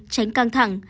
một mươi tránh căng thẳng